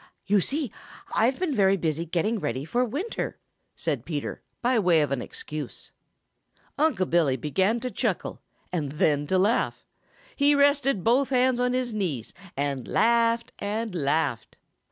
"You see, I've been very busy getting ready for winter," said Peter, by way of an excuse. Unc' Billy began to chuckle and then to laugh. He rested both hands on his knees and laughed and laughed.